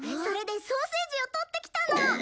それでソーセージを取ってきたの。